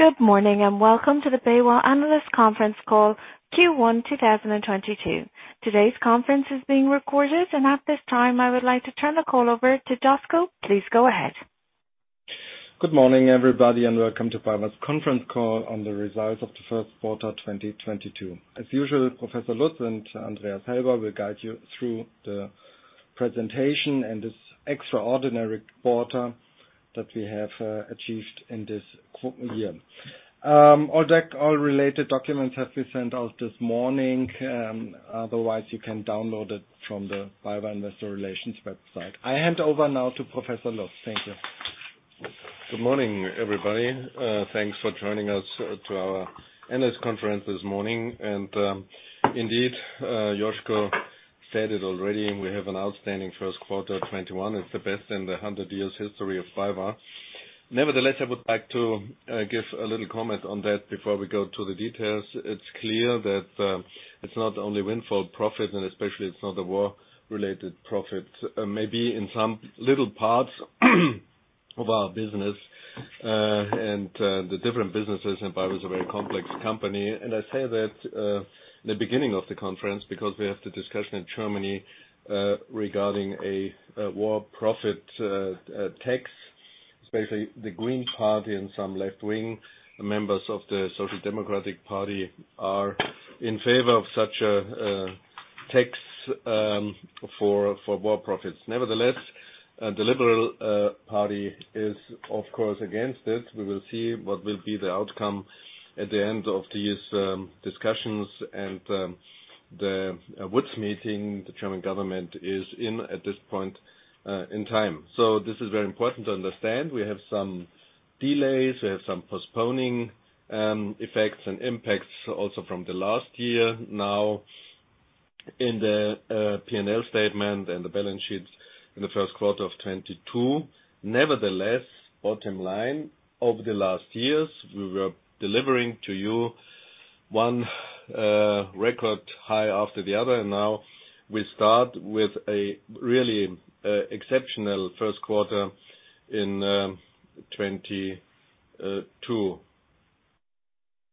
Good morning, and welcome to the BayWa Analyst Conference Call Q1 2022. Today's conference is being recorded, and at this time, I would like to turn the call over to Josko. Please go ahead. Good morning, everybody, and welcome to BayWa's Conference Call on the results of the first quarter, 2022. As usual, Professor Lutz and Andreas Helber will guide you through the presentation and this extraordinary quarter that we have achieved in this current year. All related documents have been sent out this morning. Otherwise you can download it from the BayWa Investor Relations website. I hand over now to Professor Lutz. Thank you. Good morning, everybody. Thanks for joining us to our analyst conference this morning. Indeed, Josko said it already, and we have an outstanding first quarter of 2021. It's the best in the 100 years history of BayWa. Nevertheless, I would like to give a little comment on that before we go to the details. It's clear that it's not only windfall profit and especially it's not a war-related profit. Maybe in some little parts of our business and the different businesses, and BayWa is a very complex company. I say that in the beginning of the conference because we have the discussion in Germany regarding a war profit tax. Especially the Green Party and some left-wing members of the Social Democratic Party are in favor of such a tax for war profits. Nevertheless, the Free Democratic Party is, of course, against it. We will see what will be the outcome at the end of these discussions and the coalition meeting the German government is in at this point in time. This is very important to understand. We have some delays. We have some postponing effects and impacts also from the last year now in the P&L statement and the balance sheets in the first quarter of 2022. Nevertheless, bottom line, over the last years, we were delivering to you one record high after the other, and now we start with a really exceptional first quarter in 2022.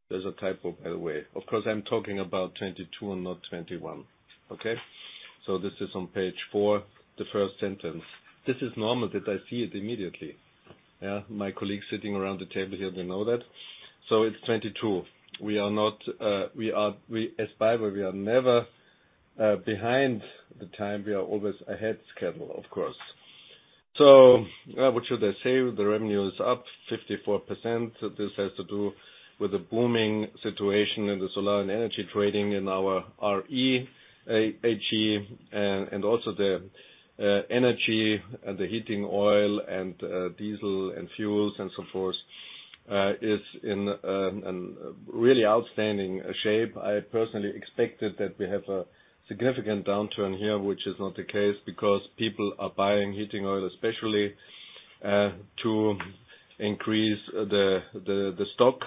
There's a typo, by the way. Of course, I'm talking about 2022 and not 2021. Okay. This is on page four, the first sentence. This is normal that I see it immediately. Yeah. My colleagues sitting around the table here, they know that. It's 22. We are not, we are. As BayWa, we are never behind the time. We are always ahead of schedule, of course. What should I say? The revenue is up 54%. This has to do with the booming situation in the solar and energy trading in our r.e., and also the energy and the heating oil and diesel and fuels and so forth is in really outstanding shape. I personally expected that we have a significant downturn here, which is not the case because people are buying heating oil, especially to increase the stock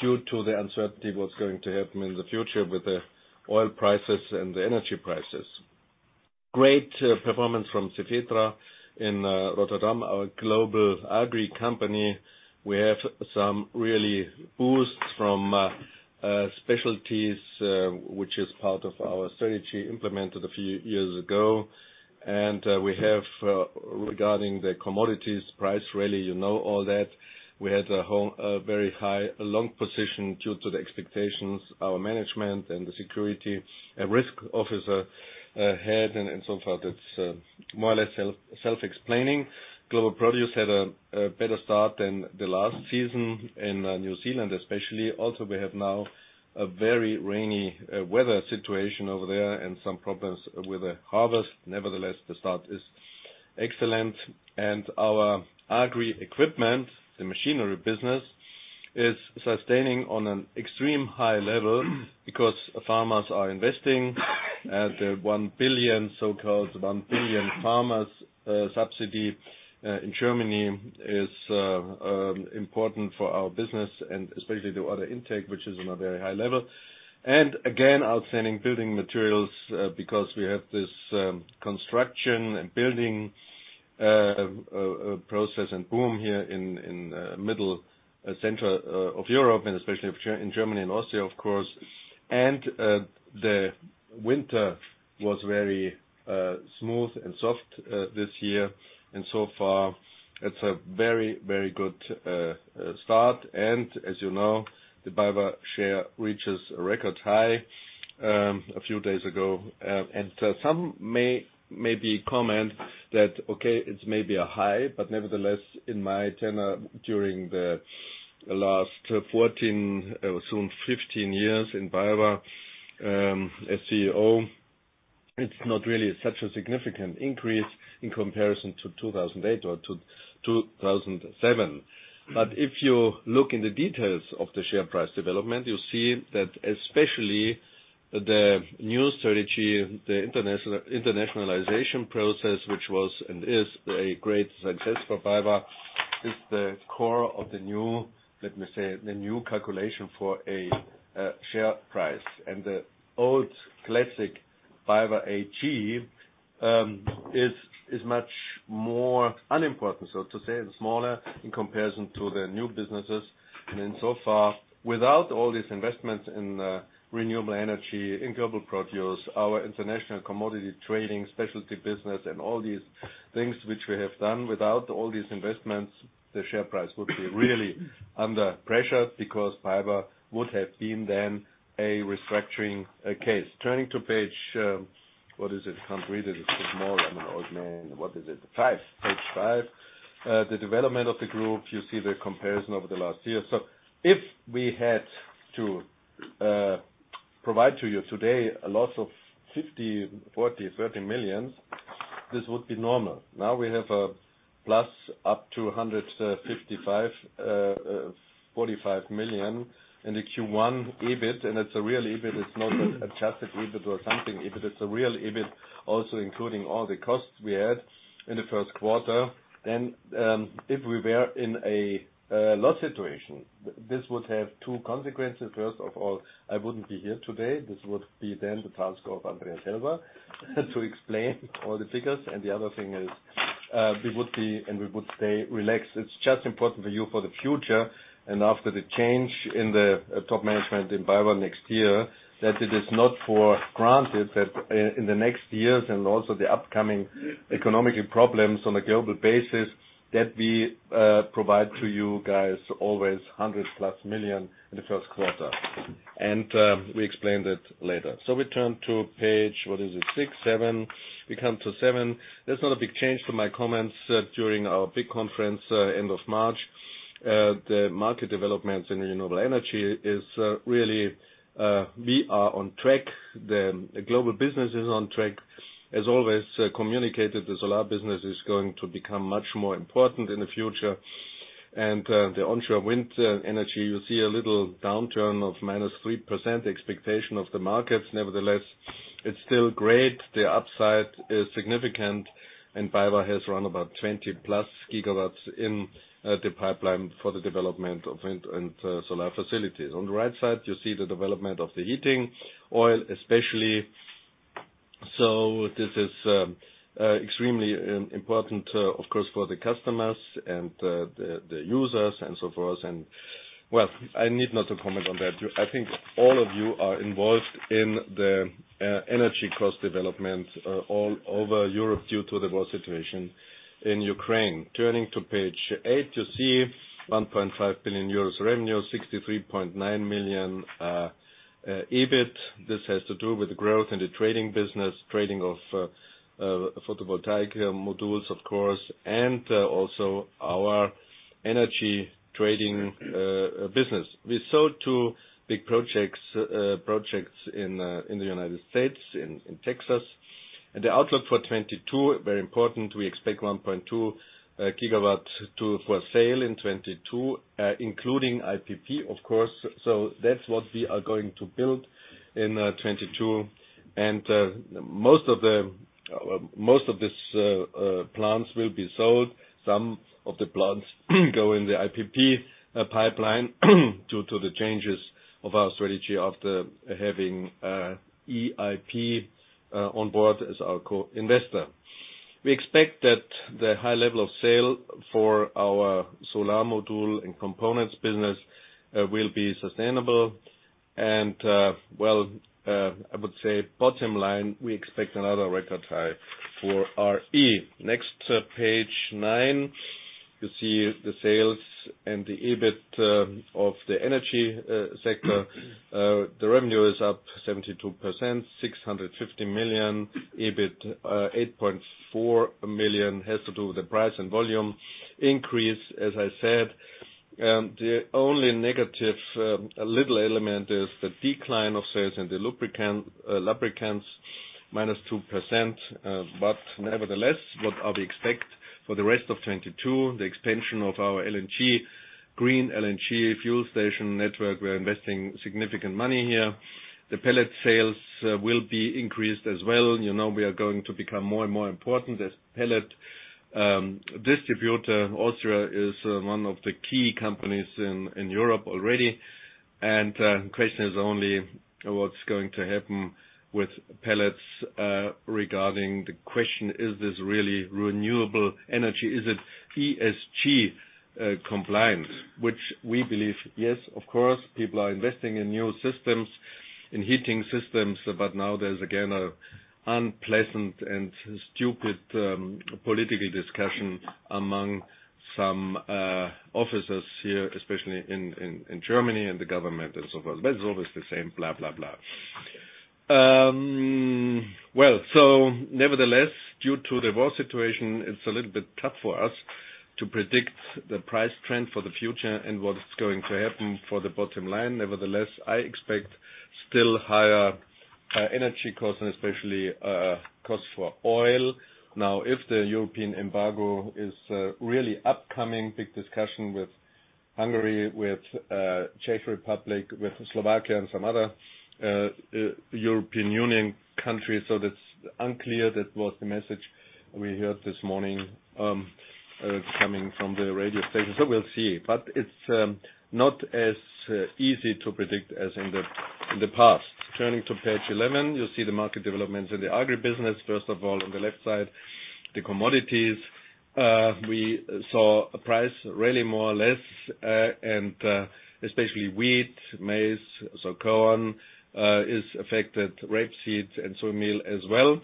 due to the uncertainty of what's going to happen in the future with the oil prices and the energy prices. Great, performance from Cefetra in Rotterdam, our global agri company. We have some real boosts from specialties, which is part of our strategy implemented a few years ago. We have, regarding the commodities price rally, you know all that. We had a very high long position due to the expectations our management and the security and risk officer had and so forth. It's more or less self-explanatory. Global Produce had a better start than the last season in New Zealand, especially. Also, we have now a very rainy weather situation over there and some problems with the harvest. Nevertheless, the start is excellent. Our agri equipment, the machinery business, is sustaining on an extreme high level because farmers are investing and the 1 billion, so-called 1 billion farmers subsidy in Germany is important for our business and especially the order intake, which is in a very high level. Again, outstanding building materials because we have this construction and building process and boom here in middle center of Europe and especially in Germany and Austria, of course. The winter was very smooth and soft this year. So far, it's a very good start. As you know, the BayWa share reaches a record high a few days ago. It's maybe a high, but nevertheless, in my tenure during the last 14, soon 15 years in BayWa, as CEO, it's not really such a significant increase in comparison to 2008 or to 2007. If you look in the details of the share price development, you see that especially the new strategy, the internationalization process, which was and is a great success for BayWa is the core of the new, let me say, the new calculation for a share price. The old classic BayWa AG is much more unimportant, so to say, smaller in comparison to the new businesses. So far, without all these investments in renewable energy, in Global Produce, our international commodity trading specialty business and all these things which we have done. Without all these investments, the share price would be really under pressure because Fiber would have been then a restructuring case. Turning to page, what is it? Can't read it. It's too small. I'm an old man. What is it? Five. Page five. The development of the group, you see the comparison over the last year. If we had to provide to you today a loss of 50 million, 40 million, 30 million, this would be normal. Now we have a plus up to 155 million, EUR 45 million in the Q1 EBIT, and it's a real EBIT. It's not an adjusted EBIT or something. EBIT is a real EBIT also including all the costs we had in the first quarter. If we were in a loss situation, this would have two consequences. First of all, I wouldn't be here today. This would be then the task of Andreas Helber to explain all the figures. The other thing is, we would be, and we would stay relaxed. It's just important for you for the future, and after the change in the top management in BayWa next year, that it is not for granted that in the next years, and also the upcoming economic problems on a global basis, that we provide to you guys always 100+ million in the first quarter. We explain that later. We turn to page, what is it? Six, seven. We come to seven. There's not a big change from my comments during our big conference end of March. The market developments in the renewable energy is really we are on track. The global business is on track. As always, communicated, the solar business is going to become much more important in the future. The onshore wind energy, you see a little downturn of -3% expectation of the markets. Nevertheless, it's still great. The upside is significant, and Fiber has around about 20+ GW in the pipeline for the development of wind and solar facilities. On the right side, you see the development of the heating oil, especially. This is extremely important, of course, for the customers and the users and so forth. Well, I need not to comment on that. I think all of you are involved in the energy cost development all over Europe due to the war situation in Ukraine. Turning to page eight, you see 1.5 billion euros revenue, 63.9 million EBIT. This has to do with growth in the trading business, trading of photovoltaic modules, of course, and also our energy trading business. We sold two big projects in the United States in Texas. The outlook for 2022, very important, we expect 1.2 GW for sale in 2022, including IPP, of course. That's what we are going to build in 2022. Most of these plants will be sold. Some of the plants go in the IPP pipeline due to the changes of our strategy after having EIP on board as our co-investor. We expect that the high level of sale for our solar module and components business will be sustainable. I would say bottom line, we expect another record high for r.e. Next, page nine. You see the sales and the EBIT of the energy sector. The revenue is up 72%, 650 million. EBIT 8.4 million has to do with the price and volume increase, as I said. The only negative little element is the decline of sales in the lubricants -2%. Nevertheless, what we expect for the rest of 2022, the expansion of our LNG green LNG fuel station network. We're investing significant money here. The pellet sales will be increased as well. You know we are going to become more and more important as pellet distributor. Austria is one of the key companies in Europe already. The question is only what's going to happen with pellets, regarding the question, is this really renewable energy? Is it ESG compliant? Which we believe, yes, of course. People are investing in new systems, in heating systems. Now there's again an unpleasant and stupid political discussion among some officers here, especially in Germany and the government and so forth. It's always the same blah, blah. Nevertheless, due to the war situation, it's a little bit tough for us to predict the price trend for the future and what is going to happen for the bottom line. Nevertheless, I expect still higher energy costs and especially costs for oil. Now, if the European embargo is really upcoming, big discussion with Hungary, with Czech Republic, with Slovakia and some other European Union countries. That's unclear. That was the message we heard this morning. Coming from the radio station, so we'll see. But it's not as easy to predict as in the past. Turning to page 11, you'll see the market developments in the agri business. First of all, on the left side, the commodities. We saw a price really more or less, and especially wheat, maize, so corn is affected, rapeseed and soy meal as well.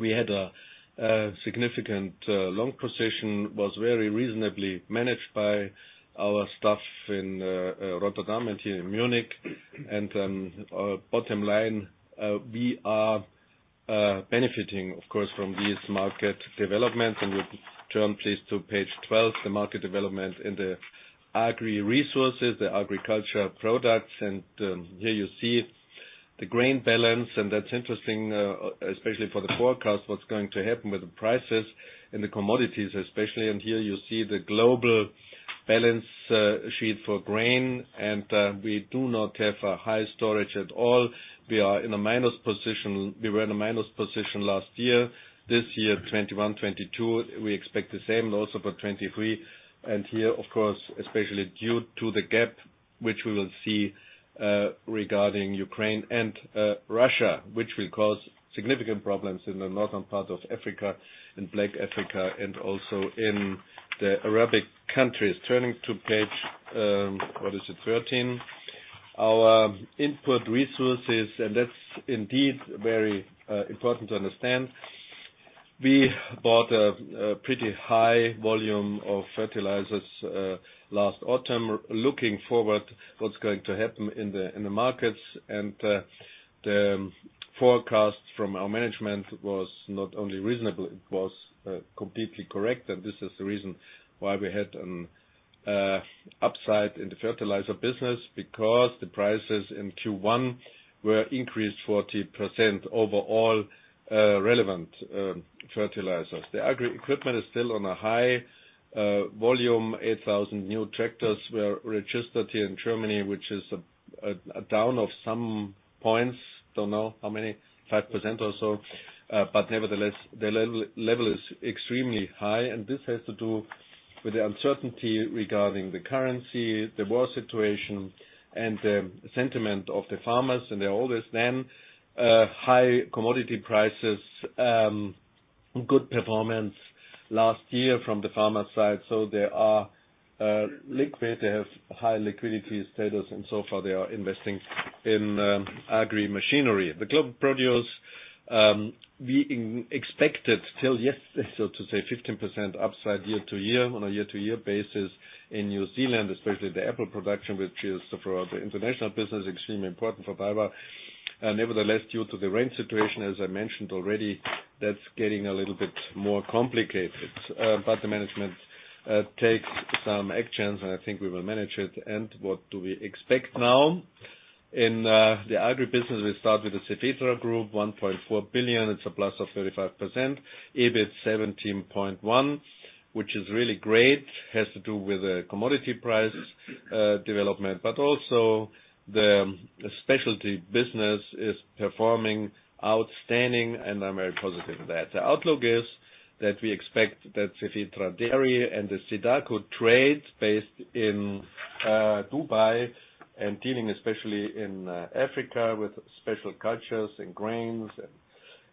We had a significant long position, was very reasonably managed by our staff in Rotterdam and here in Munich. Bottom line, we are benefiting, of course, from these market developments. We turn please to page 12, the market development in the agri resources, the agriculture products. Here you see the grain balance, and that's interesting, especially for the forecast, what's going to happen with the prices and the commodities especially. Here you see the global balance sheet for grain and we do not have a high storage at all. We are in a minus position. We were in a minus position last year. This year, 2021, 2022, we expect the same, also for 2023. Here of course, especially due to the gap which we will see, regarding Ukraine and Russia, which will cause significant problems in the northern part of Africa, in Black Africa, and also in the Arabic countries. Turning to page, what is it, 13. Our input resources, and that's indeed very important to understand. We bought a pretty high volume of fertilizers last autumn, looking forward what's going to happen in the markets. The forecast from our management was not only reasonable, it was completely correct. This is the reason why we had an upside in the fertilizer business because the prices in Q1 were increased 40% overall relevant fertilizers. The agri equipment is still on a high volume. 8,000 new tractors were registered here in Germany, which is a down of some points. Don't know how many, 5% or so. Nevertheless, the level is extremely high, and this has to do with the uncertainty regarding the currency, the war situation and the sentiment of the farmers and the always then high commodity prices, good performance last year from the farmer side. They are liquid. They have high liquidity status and so far they are investing in agri machinery. Global Produce, we expected till yesterday, so to say 15% upside year-to-year on a year-to-year basis in New Zealand, especially the apple production, which is for the international business, extremely important for BayWa. Nevertheless, due to the rain situation, as I mentioned already, that's getting a little bit more complicated. The management takes some actions, and I think we will manage it. What do we expect now? In the agri business, we start with the Cefetra Group, 1.4 billion, it's a +35%. EBIT 17.1 million, which is really great, has to do with the commodity price development, but also the specialty business is performing outstanding, and I'm very positive of that. The outlook is that we expect that Cefetra Dairy and the Sedaco trades based in Dubai and dealing especially in Africa with special crops and grains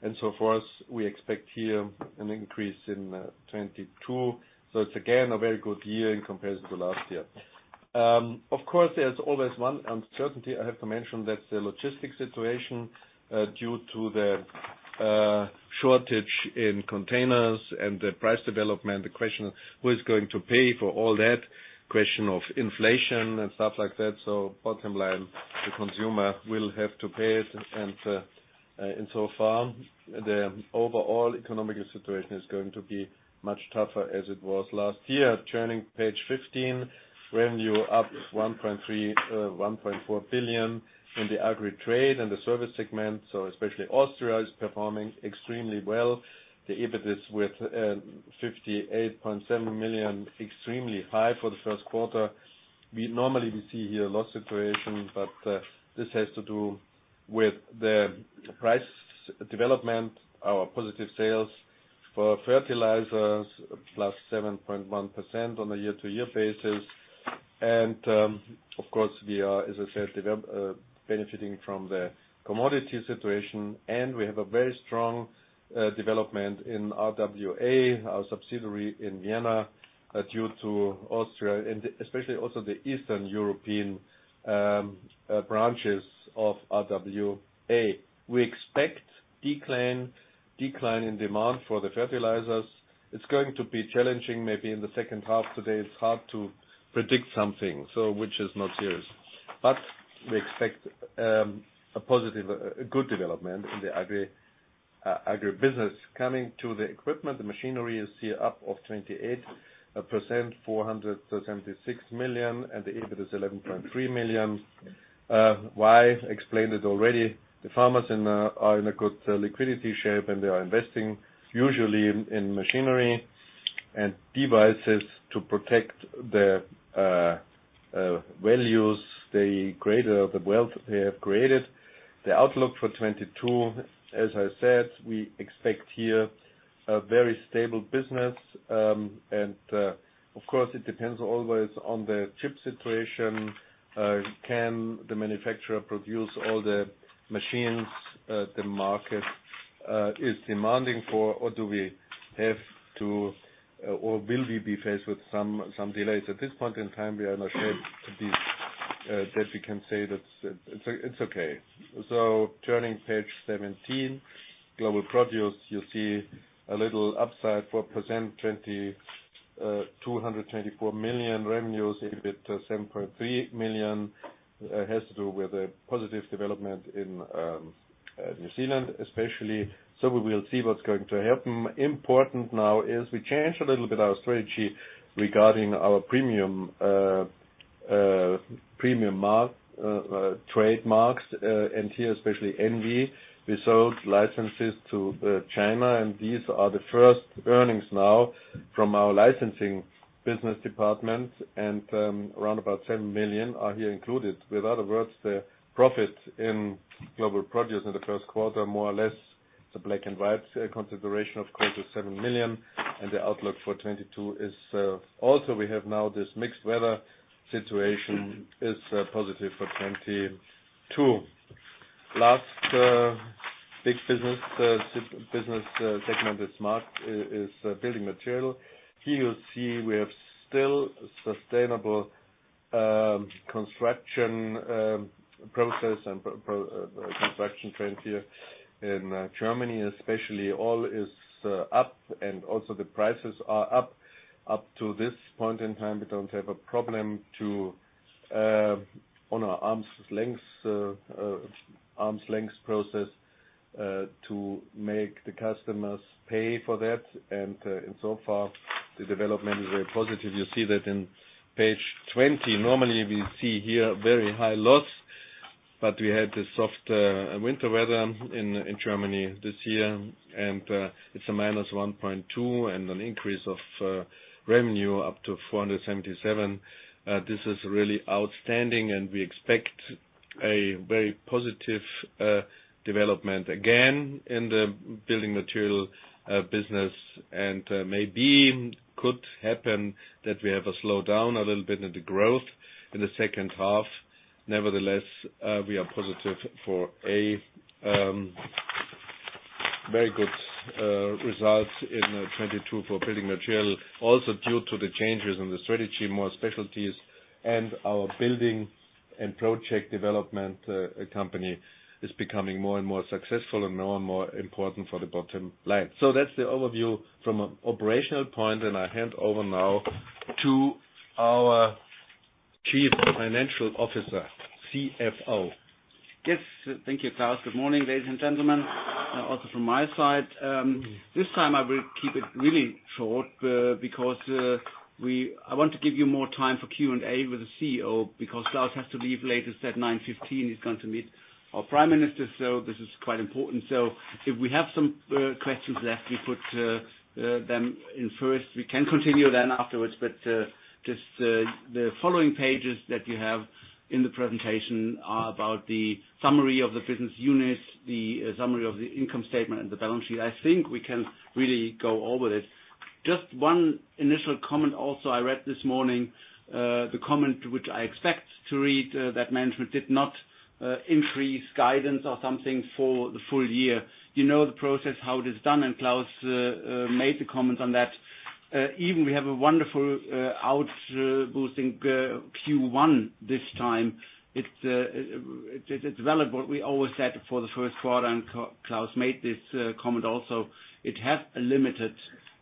and so forth. We expect here an increase in 2022. It's again a very good year in comparison to last year. Of course, there's always one uncertainty I have to mention. That's the logistics situation due to the shortage in containers and the price development. The question, who is going to pay for all that? Question of inflation and stuff like that. Bottom line, the consumer will have to pay it. The overall economic situation is going to be much tougher as it was last year. Turning to page 15, revenue up 1.3 billion-1.4 billion in the Agri Trade and Services segment. Especially Austria is performing extremely well. The EBIT is with 58.7 million, extremely high for the first quarter. Normally we see here a loss situation, but this has to do with the price development, our positive sales for fertilizers, +7.1% on a year-over-year basis. Of course, we are, as I said, benefiting from the commodity situation, and we have a very strong development in RWA, our subsidiary in Vienna, due to Austria and especially also the Eastern European branches of RWA. We expect decline in demand for the fertilizers. It's going to be challenging maybe in the second half. Today it's hard to predict something, so which is not serious. We expect a positive, a good development in the agri business. Coming to the equipment, the machinery is here up 28%, 400% to 6 million, and the EBIT is 11.3 million. Why? Explained it already. The farmers in are in a good liquidity shape, and they are investing usually in machinery and devices to protect their values, the greater the wealth they have created. The outlook for 2022, as I said, we expect here a very stable business. Of course, it depends always on the chip situation. Can the manufacturer produce all the machines the market is demanding for? Or do we have to, or will we be faced with some delays? At this point in time, we are not sure that we can say that it's okay. Turning page 17. Global produce, you see a little upside, 4%, EUR 224 million revenues, EBITDA 7.3 million. It has to do with the positive development in New Zealand, especially. We will see what's going to happen. Important now is we changed a little bit our strategy regarding our premium trademarks, and here especially Envy. We sold licenses to China, and these are the first earnings now from our licensing business department. Around about 10 million are here included. In other words, the profit in global produce in the first quarter, more or less, the black and white consideration, of course, is 7 million. The outlook for 2022 is, also we have now this mixed weather situation is positive for 2022. Last big business segment is building material. Here you see we have still sustainable construction process and construction trends here in Germany, especially. All is up and also the prices are up. Up to this point in time, we don't have a problem to pass on our arm's length process to make the customers pay for that. Insofar the development is very positive. You see that on page 20. Normally, we see here very high loss, but we had a soft winter weather in Germany this year. It's -1.2 and an increase of revenue up to 477. This is really outstanding, and we expect a very positive development again in the building material business. Maybe could happen that we have a slowdown a little bit in the growth in the second half. Nevertheless, we are positive for a very good result in 2022 for building material. Also, due to the changes in the strategy, more specialties and our building and project development company is becoming more and more successful and more and more important for the bottom line. That's the overview from an operational point, and I hand over now to our Chief Financial Officer, CFO. Yes. Thank you, Klaus. Good morning, ladies and gentlemen. Also from my side, this time I will keep it really short, because I want to give you more time for Q&A with the CEO because Klaus has to leave later. He said 9:15 A.M., he's going to meet our prime minister, so this is quite important. If we have some questions left, we put them in first. We can continue then afterwards. Just the following pages that you have in the presentation are about the summary of the business units, the summary of the income statement and the balance sheet. I think we can really go over this. Just one initial comment also. I read this morning the comment which I expect to read that management did not increase guidance or something for the full year. You know the process, how it is done, and Klaus made the comment on that. Even we have a wonderful boosting Q1 this time. It's relevant. We always said it for the first quarter, and Klaus made this comment also. It has a limited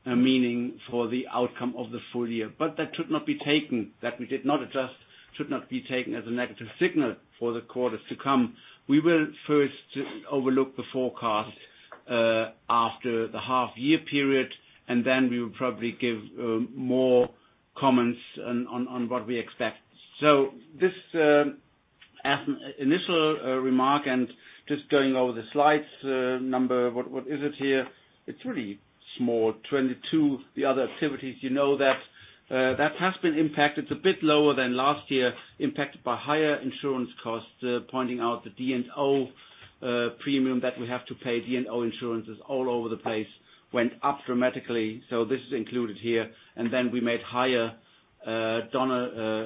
meaning for the outcome of the full year. That should not be taken. That we did not adjust should not be taken as a negative signal for the quarters to come. We will first overlook the forecast after the half-year period, and then we will probably give more comments on what we expect. This as initial remark and just going over the slides, number, what is it here? It's really small. 22, the other activities, you know that has been impacted. It's a bit lower than last year, impacted by higher insurance costs, pointing out the D&O premium that we have to pay. D&O insurance is all over the place, went up dramatically. This is included here. Then we made higher donations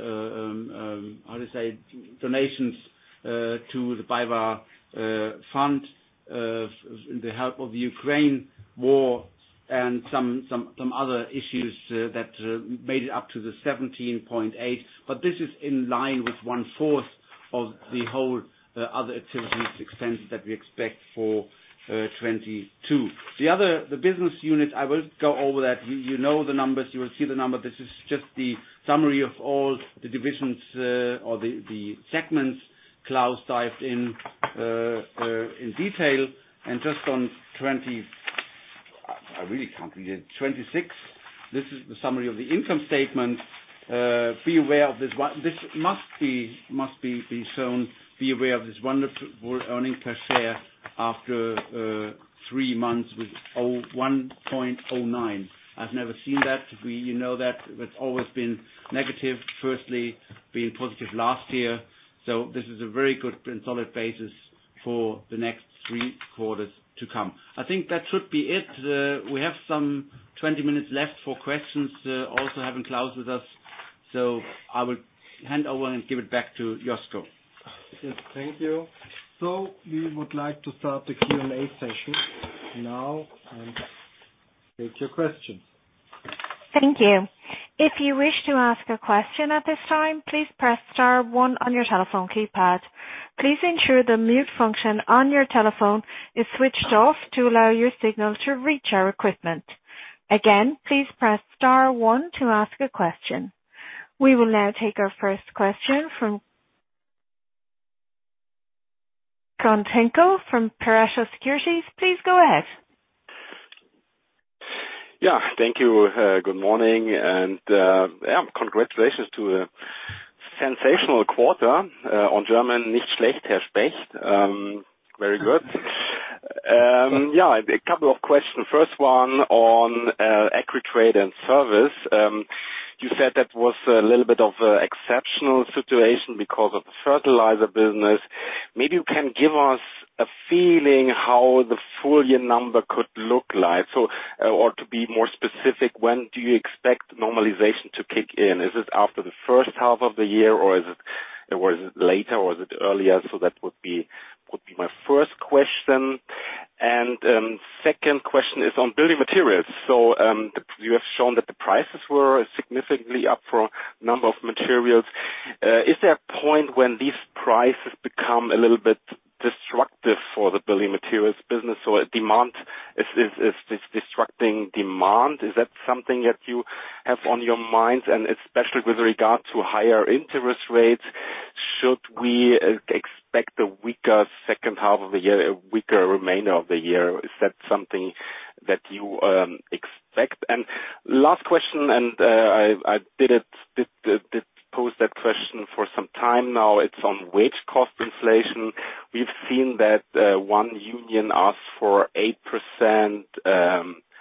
to the BayWa fund to help with the Ukraine war and some other issues that made it up to 17.8. This is in line with one-fourth of the whole other activities expense that we expect for 2022. The business unit, I will go over that. You know the numbers. You will see the number. This is just the summary of all the divisions or the segments Klaus dove into in detail. Just on twenty. I really can't read it. 26, this is the summary of the income statement. Be aware of this one. Be aware of this wonderful earnings per share after three months with 1.09. I've never seen that. You know that it's always been negative. Firstly, being positive last year. This is a very good and solid basis for the next three quarters to come. I think that should be it. We have some 20 minutes left for questions, also having Klaus with us. I will hand over and give it back to Josko. Yes, thank you. We would like to start the Q&A session now and take your questions. Thank you. If you wish to ask a question at this time, please press star one on your telephone keypad. Please ensure the mute function on your telephone is switched off to allow your signal to reach our equipment. Again, please press star one to ask a question. We will now take our first question from Knud Hinkel from Pareto Securities. Please go ahead. Yeah, thank you. Good morning, and yeah, congratulations to a sensational quarter on Germany. Very good. Yeah, a couple of questions. First one on Agri Trade and Services. You said that was a little bit of an exceptional situation because of the fertilizer business. Maybe you can give us a feeling how the full year number could look like. Or to be more specific, when do you expect normalization to kick in? Is it after the first half of the year, or is it later, or earlier? That would be my first question. Second question is on building materials. You have shown that the prices were significantly up for a number of materials. Is there a point when these prices become a little bit destructive for the building materials business, or is disrupting demand? Is that something that you have on your mind? Especially with regard to higher interest rates, should we expect a weaker second half of the year, a weaker remainder of the year? Is that something that you expect? Last question, I did pose that question for some time now. It's on wage cost inflation. We've seen that one union asked for 8%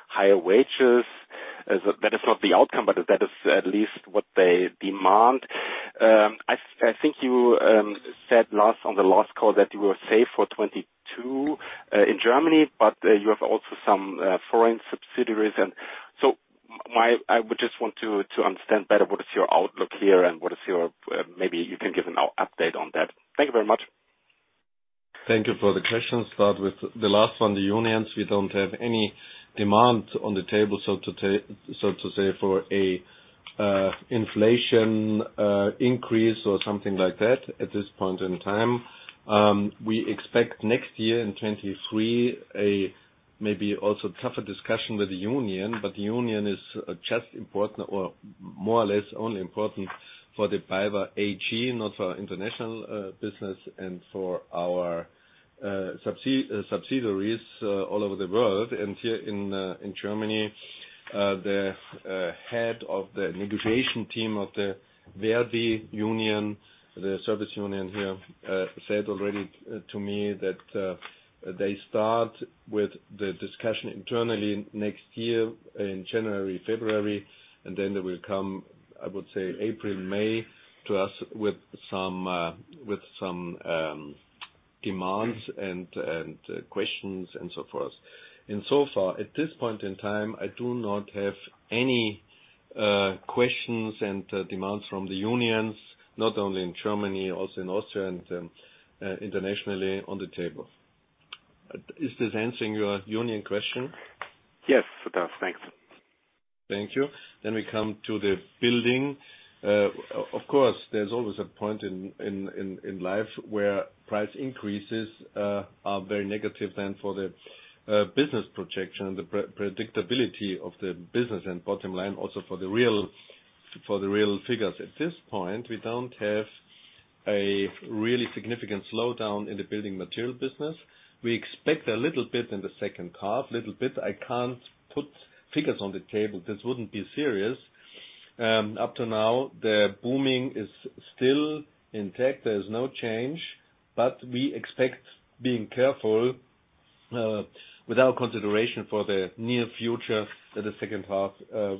higher wages. Is that not the outcome, but that is at least what they demand. I think you said on the last call that you were safe for 2022 in Germany, but you have also some foreign subsidiaries. I would just want to understand better what is your outlook here. Maybe you can give an update on that. Thank you very much. Thank you for the question. Start with the last one, the unions. We don't have any demand on the table, so to say, for a inflation increase or something like that at this point in time. We expect next year in 2023 a maybe also tougher discussion with the union, but the union is just important or more or less only important for the BayWa AG, not for international business and for our subsidiaries all over the world. Here in Germany, the head of the negotiation team of the ver.di union, the service union here, said already to me that they start with the discussion internally next year in January, February, and then they will come, I would say, April, May to us with some demands and questions and so forth. So far, at this point in time, I do not have any questions and demands from the unions, not only in Germany, also in Austria and internationally on the table. Is this answering your union question? Yes, it does. Thanks. Thank you. We come to the building. Of course, there's always a point in life where price increases are very negative then for the business projection and the predictability of the business and bottom line also for the real figures. At this point, we don't have a really significant slowdown in the building material business. We expect a little bit in the second half. I can't put figures on the table. This wouldn't be serious. Up to now, the booming is still intact. There is no change. We expect being careful without consideration for the near future in the second half.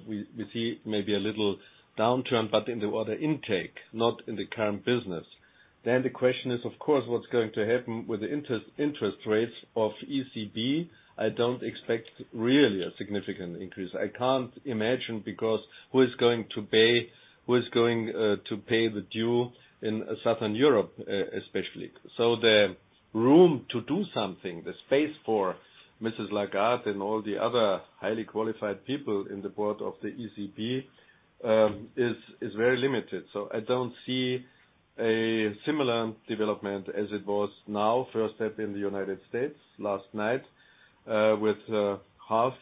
We see maybe a little downturn, but in the order intake, not in the current business. The question is, of course, what's going to happen with the interest rates of ECB? I don't expect really a significant increase. I can't imagine because who is going to pay the debt in Southern Europe, especially. The room to do something, the space for Mrs. Lagarde and all the other highly qualified people in the board of the ECB, is very limited. I don't see a similar development as it was now. First step in the United States last night with 0.5%, I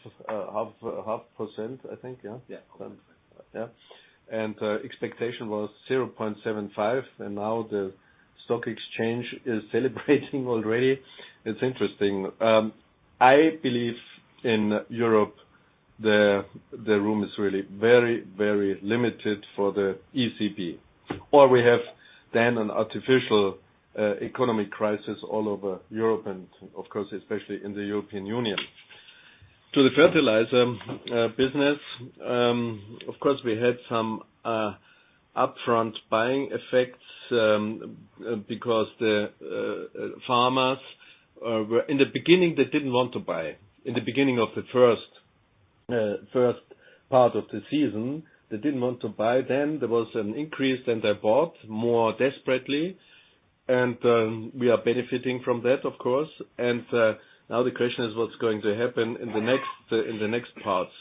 think. Yeah? Yeah. 0.5%. Yeah. Expectation was 0.75%, and now the stock exchange is celebrating already. It's interesting. I believe in Europe. The room is really very limited for the ECB. Or we have then an artificial economic crisis all over Europe and of course, especially in the European Union. To the fertilizer business, of course, we had some upfront buying effects, because the farmers, in the beginning, they didn't want to buy. In the beginning of the first part of the season, they didn't want to buy then. There was an increase, then they bought more desperately. We are benefiting from that, of course. Now the question is what's going to happen in the next parts.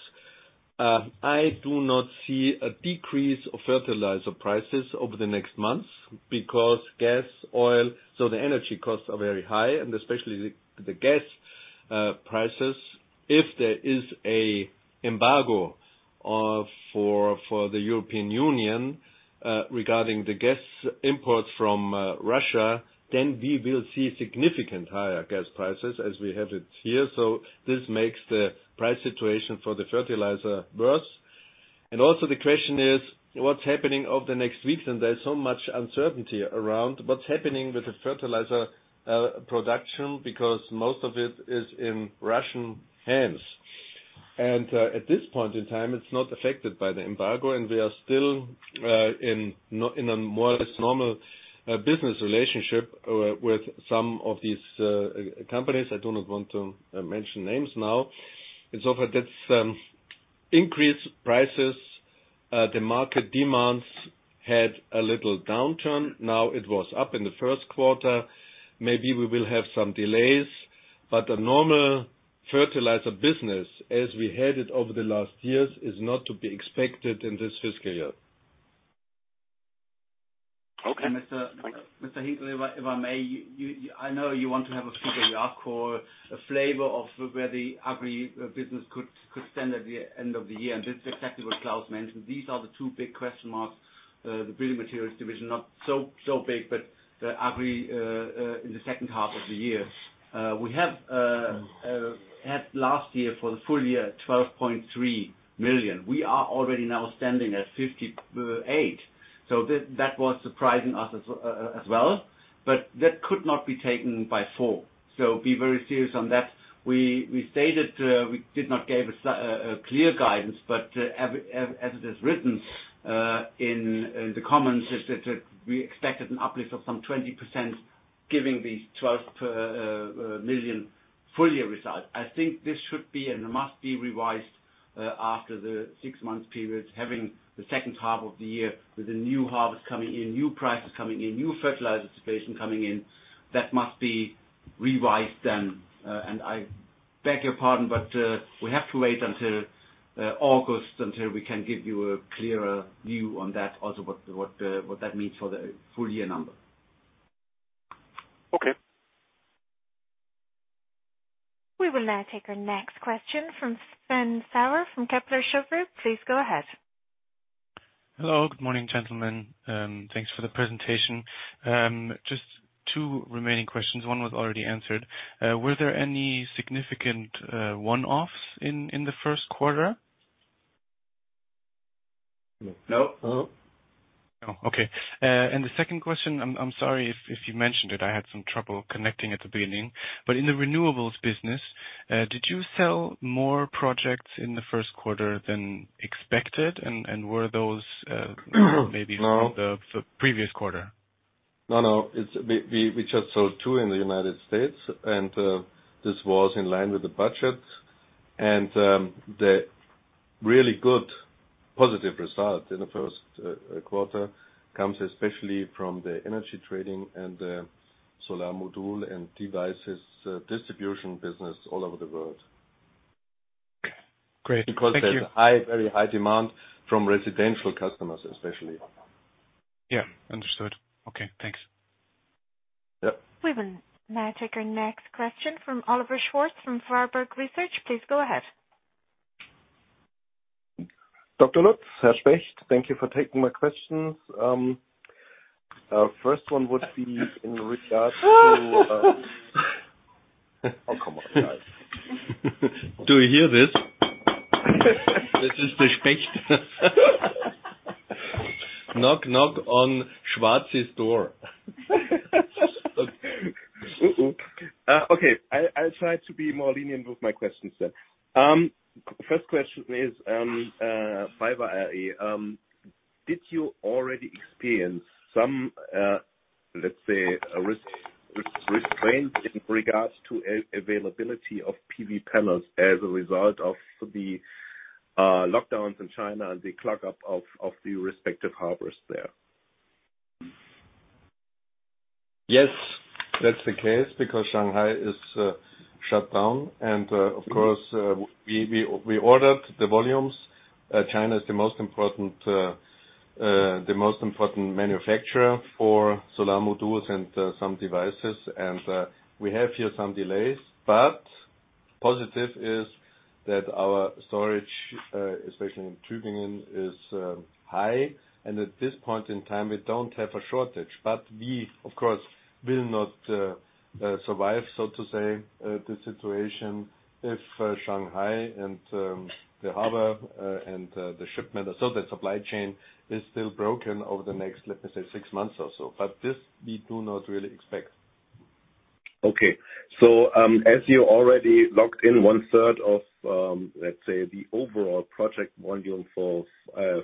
I do not see a decrease of fertilizer prices over the next months because gas, oil, so the energy costs are very high, and especially the gas prices. If there is an embargo for the European Union regarding the gas imports from Russia, then we will see significant higher gas prices as we have it here. This makes the price situation for the fertilizer worse. The question is what's happening over the next weeks? There's so much uncertainty around what's happening with the fertilizer production because most of it is in Russian hands. At this point in time, it's not affected by the embargo, and we are still in a more or less normal business relationship with some of these companies. I do not want to mention names now. For this increased prices, the market demands had a little downturn. Now, it was up in the first quarter. Maybe we will have some delays, but a normal fertilizer business as we had it over the last years is not to be expected in this fiscal year. Okay. Mr. Hinkel, if I may. I know you want to have a figure you call a flavor of where the agri business could stand at the end of the year. This is exactly what Klaus mentioned. These are the two big question marks. The building materials division, not so big, but the agri in the second half of the year. We have had last year for the full year, 12.3 million. We are already standing at 58 million. That was surprising us as well. But that could not be taken by four. Be very serious on that. We stated we did not give a clear guidance, but as it is written in the comments is that we expected an uplift of some 20% giving these 12 million full year results. I think this should be and must be revised after the six-month period, having the second half of the year with the new harvest coming in, new prices coming in, new fertilizer situation coming in. That must be revised then. I beg your pardon, but we have to wait until August until we can give you a clearer view on that, also what that means for the full year number. Okay. We will now take our next question from Sven Sauer from Kepler Cheuvreux. Please go ahead. Hello. Good morning, gentlemen. Thanks for the presentation. Just two remaining questions. One was already answered. Were there any significant one-offs in the first quarter? No. No. No. Oh, okay. The second question, I'm sorry if you mentioned it, I had some trouble connecting at the beginning. In the renewables business, did you sell more projects in the first quarter than expected? And were those maybe- No. from the previous quarter? No, no. It's we just sold two in the United States, and this was in line with the budget. The really good positive result in the first quarter comes especially from the energy trading and the solar module and devices distribution business all over the world. Great. Thank you. Because there's a high, very high demand from residential customers, especially. Yeah, understood. Okay, thanks. Yep. We will now take our next question from Oliver Schwarz from Warburg Research. Please go ahead. Professor Lutz, Herr Helber, thank you for taking my questions. First one would be in regards to. Oh, come on, guys. Do you hear this? This is the Helber. Knock, knock on Schwarz's door. Okay. I'll try to be more lenient with my questions then. First question is, did you already experience some, let's say, a risk restraint in regards to availability of PV panels as a result of the lockdowns in China and the clog up of the respective harbors there? Yes, that's the case because Shanghai is shut down. Of course, we ordered the volumes. China is the most important manufacturer for solar modules and some devices. We have here some delays. Positive is that our storage, especially in Tübingen, is high. At this point in time, we don't have a shortage. We, of course, will not survive, so to say, the situation if Shanghai and the harbor and the shipment or so, the supply chain is still broken over the next, let me say, six months or so. This we do not really expect. Okay. As you already locked in one third of, let's say, the overall project volume for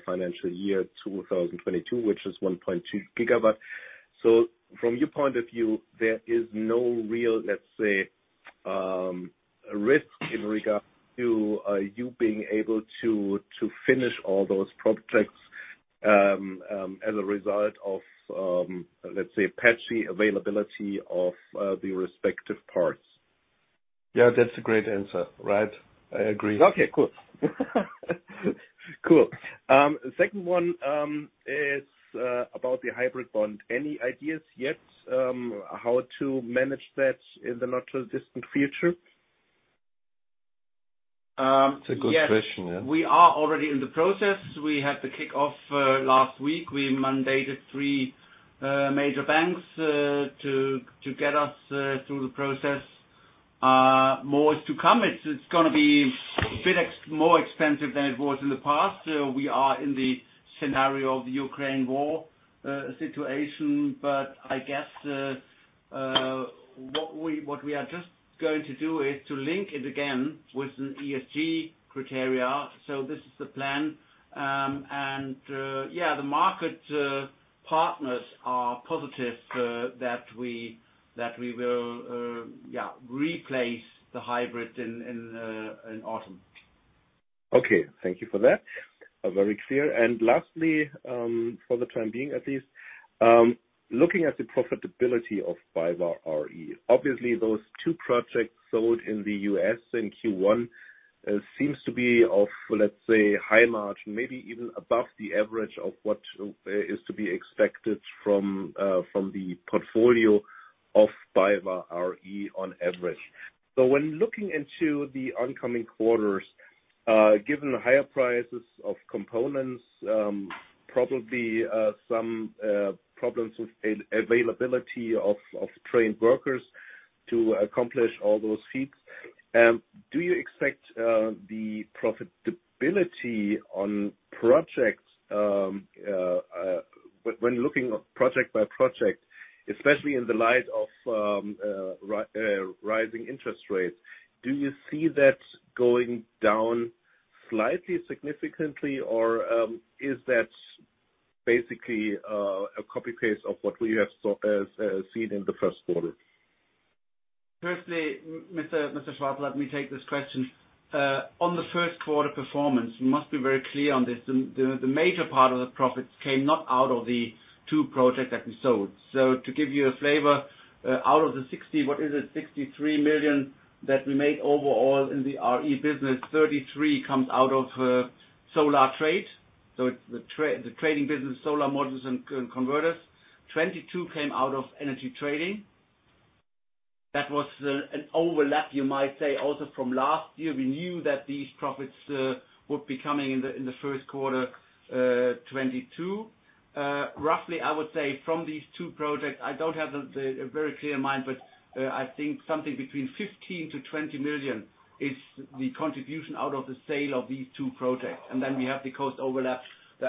financial year 2022, which is 1.2 GW. From your point of view, there is no real, let's say, risk in regard to you being able to finish all those projects as a result of, let's say, patchy availability of the respective parts. Yeah, that's a great answer, right? I agree. Okay, cool. Second one is about the hybrid bond. Any ideas yet how to manage that in the not too distant future? Yes. It's a good question, yeah. We are already in the process. We had the kickoff last week. We mandated three major banks to get us through the process. More is to come. It's gonna be a bit more expensive than it was in the past. We are in the scenario of the Ukraine war situation. I guess what we are just going to do is to link it again with an ESG criteria. This is the plan. Yeah, the market partners are positive that we will replace the hybrid in autumn. Okay. Thank you for that. Very clear. Lastly, for the time being at least, looking at the profitability of BayWa r.e., obviously those two projects sold in the U.S. in Q1 seems to be of, let's say, high margin, maybe even above the average of what is to be expected from the portfolio of BayWa r.e. on average. When looking into the oncoming quarters, given the higher prices of components, probably some problems with availability of trained workers to accomplish all those feats, do you expect the profitability on projects, when looking project by project, especially in the light of rising interest rates, do you see that going down slightly significantly or, is that basically a copy-paste of what we have seen in the first quarter? Mr. Schwarz, let me take this question. On the first quarter performance, we must be very clear on this. The major part of the profits came not out of the two projects that we sold. To give you a flavor, out of the 63 million that we made overall in the RE business, 33 million comes out of solar trade. It's the trading business, solar modules, and converters. 22 million came out of energy trading. That was an overlap, you might say, also from last year. We knew that these profits would be coming in the first quarter, 2022. Roughly, I would say from these two projects, I don't have a very clear mind, but I think something between 15 million-20 million is the contribution out of the sale of these two projects. Then we have the cost overlaps, the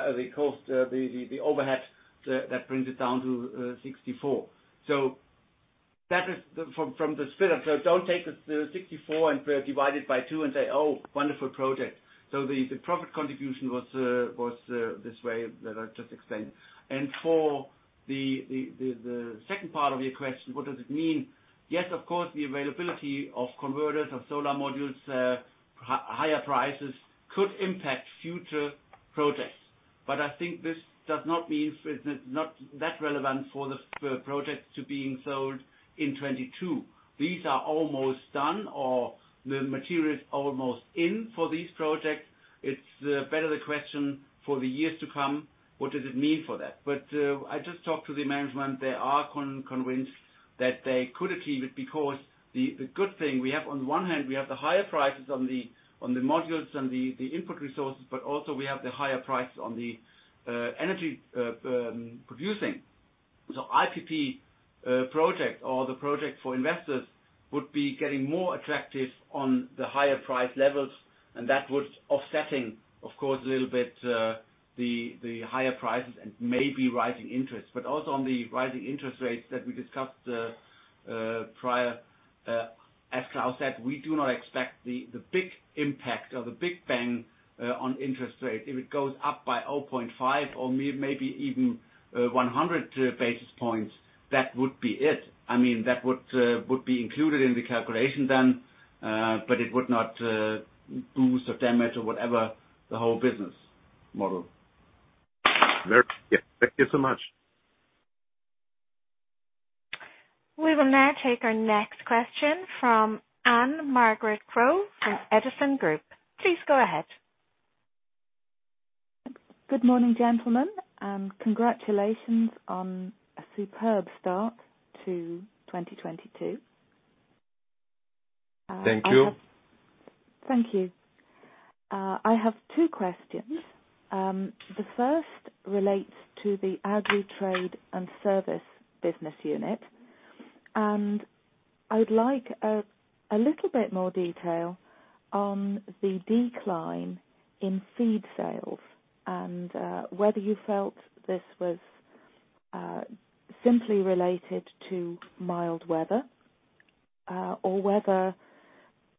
overhead that brings it down to 64 million. That is from the split up. Don't take the 64 and divide it by two and say, "Oh, wonderful project." The profit contribution was this way that I just explained. For the second part of your question, what does it mean? Yes, of course, the availability of converters, of solar modules, higher prices could impact future projects. I think this does not mean it's not that relevant for the PV projects to be sold in 2022. These are almost done or the material is almost in for these projects. It's better the question for the years to come, what does it mean for that? I just talked to the management. They are convinced that they could achieve it because the good thing we have on one hand, we have the higher prices on the modules and the input resources, but also we have the higher prices on the energy production. So IPP project or the project for investors would be getting more attractive on the higher price levels, and that would offset, of course, a little bit the higher prices and maybe rising interest. Also on the rising interest rates that we discussed prior, as Klaus said, we do not expect the big impact or the big bang on interest rate. If it goes up by 0.5 or maybe even 100 basis points, that would be it. I mean, that would be included in the calculation then, but it would not boost or damage or whatever the whole business model. Yeah. Thank you so much. We will now take our next question from Anne-Margaret Crow from Edison Group. Please go ahead. Good morning, gentlemen, and congratulations on a superb start to 2022. Thank you. Thank you. I have two questions. The first relates to the Agri Trade and Service business unit, and I would like a little bit more detail on the decline in feed sales and whether you felt this was simply related to mild weather or whether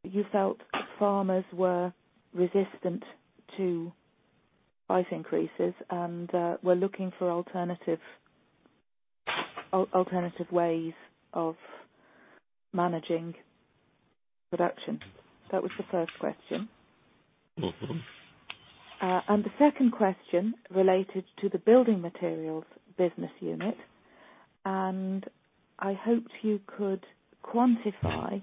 you felt farmers were resistant to price increases and were looking for alternative ways of managing production. That was the first question. Mm-hmm. The second question related to the building materials business unit, and I hoped you could quantify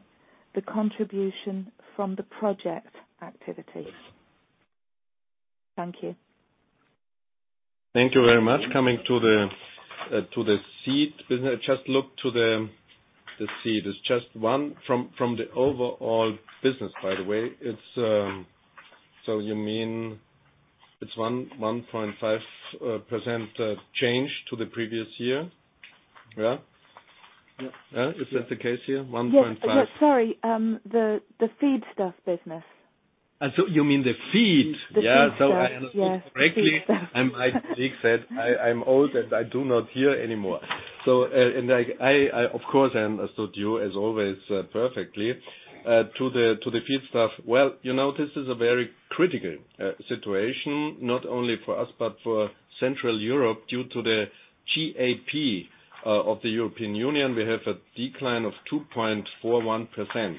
the contribution from the project activities. Thank you. Thank you very much. Coming to the seed business. Just look to the seed. It's just 1% of the overall business, by the way. You mean it's 1.5% change to the previous year, yeah? Yeah. Yeah. Is that the case here, 1.5? Yes. Sorry. The feedstuff business. You mean the feed? The feed. The feedstuff. Yeah. I understand. Yes. The feedstuff. Frankly, like Nick said, I'm old and I do not hear anymore. I of course understood you as always, perfectly. To the feedstuff, well, you know, this is a very critical situation not only for us but for Central Europe due to the CAP of the European Union. We have a decline of 2.41%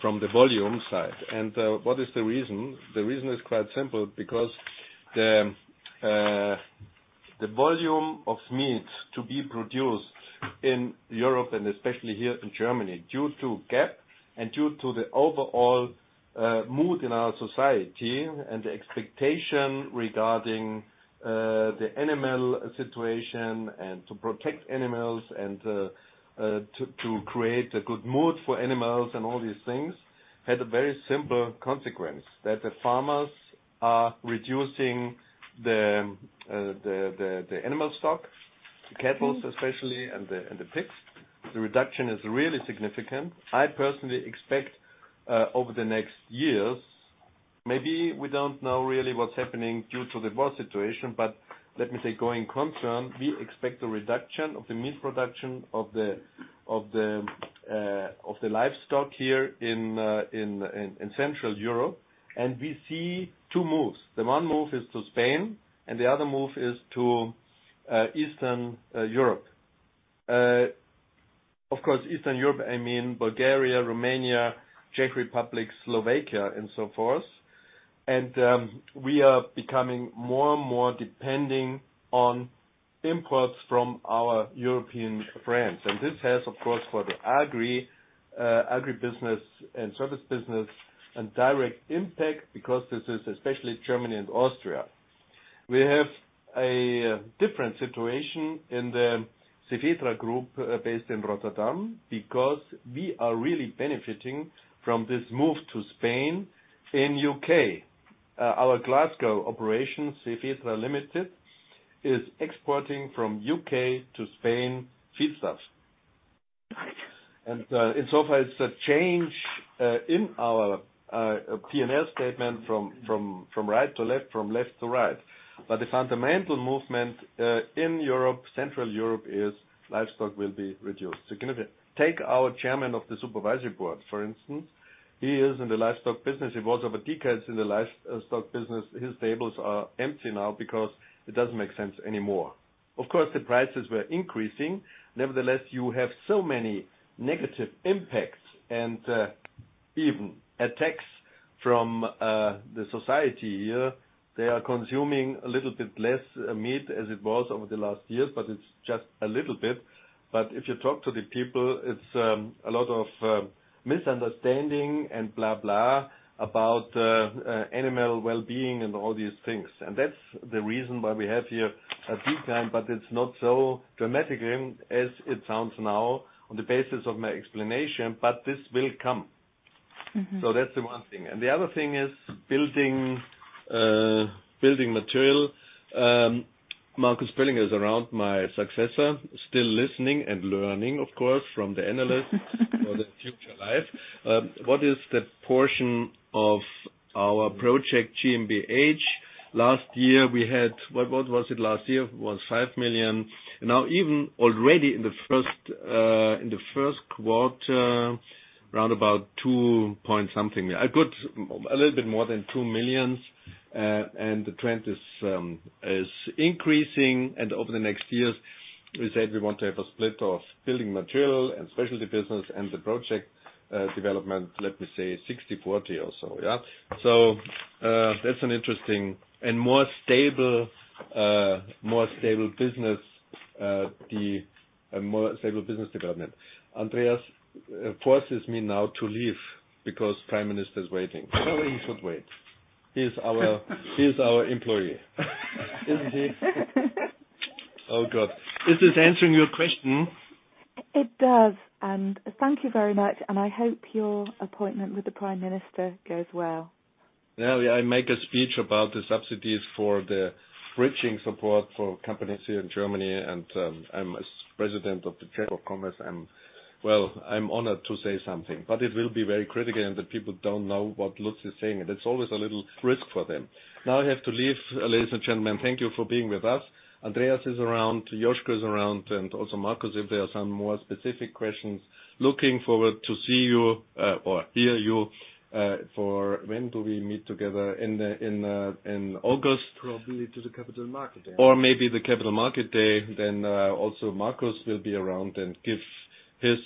from the volume side. What is the reason? The reason is quite simple, because the volume of meat to be produced in Europe and especially here in Germany due to CAP and due to the overall mood in our society and the expectation regarding the animal situation and to protect animals and to create a good mood for animals and all these things, had a very simple consequence, that the farmers are reducing the animal stock, the cattle especially, and the pigs. The reduction is really significant. I personally expect over the next years, maybe we don't know really what's happening due to the war situation, but let me say going concerned, we expect a reduction of the meat production of the livestock here in Central Europe. We see two moves. The one move is to Spain, and the other move is to Eastern Europe. Of course, Eastern Europe, I mean Bulgaria, Romania, Czech Republic, Slovakia and so forth. We are becoming more and more depending on imports from our European friends. This has, of course, for the agri business and service business a direct impact because this is especially Germany and Austria. We have a different situation in the Cefetra Group based in Rotterdam because we are really benefiting from this move to Spain in U.K. Our Glasgow operations, Cefetra Ltd, is exporting from U.K to Spain feedstuffs. In so far as a change in our P&L statement from right to left, from left to right. The fundamental movement in Europe, Central Europe, is livestock will be reduced significantly. Take our chairman of the supervisory board, for instance. He is in the livestock business. He was over decades in the livestock business. His stables are empty now because it doesn't make sense anymore. Of course, the prices were increasing. Nevertheless, you have so many negative impacts and even attacks from the society here. They are consuming a little bit less meat as it was over the last years, but it's just a little bit. If you talk to the people, it's a lot of misunderstanding and blah about animal wellbeing and all these things. That's the reason why we have here a decline, but it's not so dramatic as it sounds now on the basis of my explanation, but this will come. Mm-hmm. That's the one thing. The other thing is building material. Marcus Pöllinger is around, my successor, still listening and learning, of course, from the analysts for the future life. What is the portion of our project GmbH? Last year we had EUR 5 million. What was it last year? It was 5 million. Now, even already in the first quarter, round about two point something. A little bit more than 2 million. The trend is increasing. Over the next years, we said we want to have a split of building material and specialty business and the project development, let me say 60/40 or so, yeah. That's an interesting and more stable business. The more stable business development. Andreas forces me now to leave because Prime Minister is waiting. No, he should wait. He's our employee. Isn't he? Oh, God. Is this answering your question? It does, and thank you very much, and I hope your appointment with the Prime Minister goes well. Yeah. I make a speech about the subsidies for the bridging support for companies here in Germany, and I'm president of the Chamber of Commerce, and well, I'm honored to say something. It will be very critical, and the people don't know what Lutz is saying, and it's always a little risk for them. Now, I have to leave, ladies and gentlemen. Thank you for being with us. Andreas is around, Josko is around, and also Marcus, if there are some more specific questions. Looking forward to see you or hear you. When do we meet together? In August. Probably to the Capital Market Day. Or maybe the Capital Market Day, then also Marcus will be around and give his